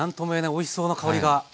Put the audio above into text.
おいしそうな香りが。